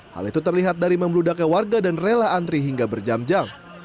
hal itu terlihat dari membeludaknya warga dan rela antri hingga berjam jam